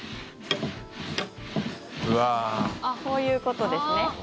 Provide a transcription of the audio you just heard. こういうことですね。